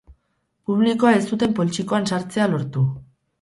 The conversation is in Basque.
Publikoa ez zuten poltsikoan sartzea lortu.